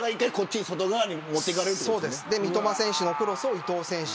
三笘選手のクロスを伊東選手